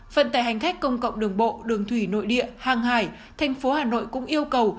phần tài hành khách công cộng đường bộ đường thủy nội địa hàng hải thành phố hà nội cũng yêu cầu